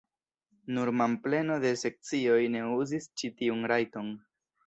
Nur manpleno da sekcioj ne uzis ĉi tiun rajton.